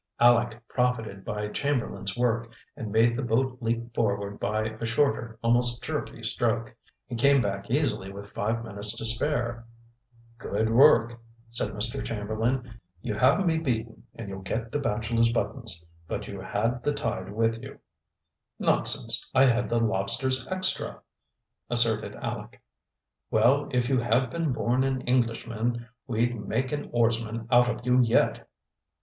Aleck profited by Chamberlain's work, and made the boat leap forward by a shorter, almost jerky stroke. He came back easily with five minutes to spare. "Good work!" said Mr. Chamberlain. "You have me beaten, and you'll get the bachelors' buttons; but you had the tide with you." "Nonsense! I had the lobsters extra!" asserted Aleck. "Well, if you had been born an Englishman, we'd make an oarsman out of you yet!"